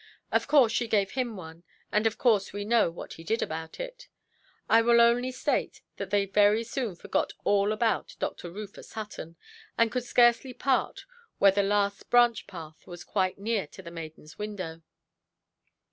Of course she gave him one, and of course we know what they did about it. I will only state that they very soon forgot all about Dr. Rufus Hutton, and could scarcely part where the last branch–path was quite near to the maidenʼs window.